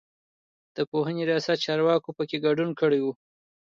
د پوهنې رياست چارواکو په کې ګډون کړی و.